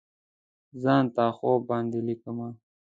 ځان ته خوب باندې لیکمه